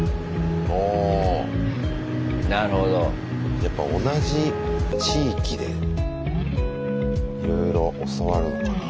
やっぱ同じ地域でいろいろ教わるのかなあ。